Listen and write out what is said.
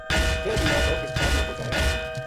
ویہ بیمار لوک ہسپتا ل ما پوہچایا